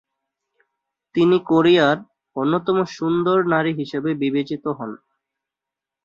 তিনি কোরিয়ার অন্যতম সুন্দর নারী হিসেবে বিবেচিত হন।